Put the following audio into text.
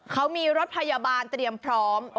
เขามีรถพยาบาลเตรียมพร้อม